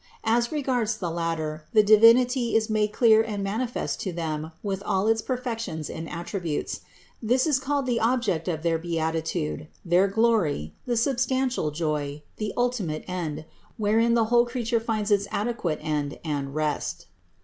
As regards the latter, the Divinity is made clear and manifest to them with all its perfections and attributes. This is called the object of their beati 129 130 CITY OF GOD tude, their glory, the substantial joy, the ultimate end, wherein the whole creature finds its adequate end and rest.